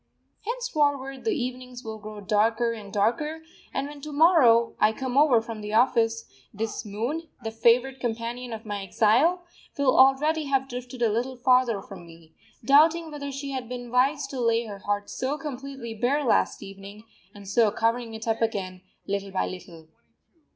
Henceforward the evenings will grow darker and darker; and when, to morrow, I come over from the office, this moon, the favourite companion of my exile, will already have drifted a little farther from me, doubting whether she had been wise to lay her heart so completely bare last evening, and so covering it up again little by little.